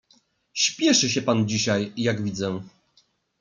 "Spieszy się pan dzisiaj, jak widzę."